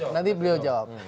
nanti beliau jawab